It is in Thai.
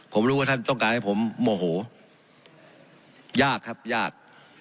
ผมรู้ว่าท่านต้องการให้ผมโมโหยากครับยาก